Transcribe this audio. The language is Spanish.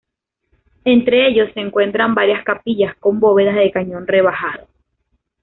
Entre ellos se encuentran varias capillas con bóvedas de cañón rebajado.